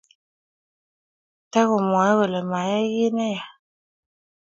tigomwoe kole mayay kiy neya